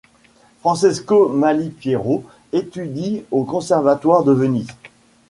Francesco Malipiero étudie au conservatoire de Venise.